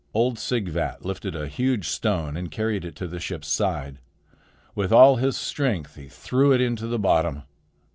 Old Sighvat lifted a huge stone and carried it to the ship's side. With all his strength he threw it into the bottom.